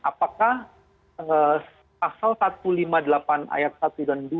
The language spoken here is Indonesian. apakah pasal satu ratus lima puluh delapan ayat satu dan dua